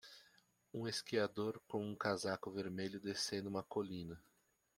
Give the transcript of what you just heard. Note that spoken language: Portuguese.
Um esquiador com um casaco vermelho descendo uma colina.